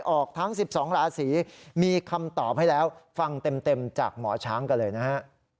ออกทั้ง๑๒ราศีมีคำตอบให้แล้วฟังเต็มจากหมอช้างกันเลยนะฮะ